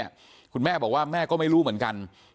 เพราะไม่เคยถามลูกสาวนะว่าไปทำธุรกิจแบบไหนอะไรยังไง